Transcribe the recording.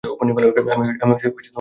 আমি নিজেই নিচে নামছি।